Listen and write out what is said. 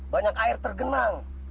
banyak air tergenang